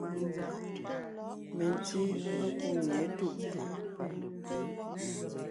Mentí mekú mie étuʼtuʼ.